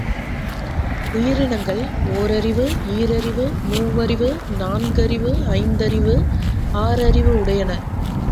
உயிரணங்கள் ஓரறிவு, ஈரறிவு, மூவறிவு, நான்கறிவு, ஐந்தறிவு, ஆறறிவு உடையன.